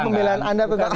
pembelahan anda tentang